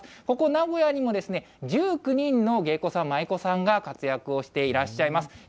ここ、名古屋にもですね、１９人の芸妓さん、舞妓さんが活躍をしていらっしゃいます。